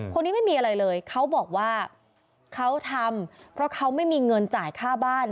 ไม่มีอะไรเลยเขาบอกว่าเขาทำเพราะเขาไม่มีเงินจ่ายค่าบ้าน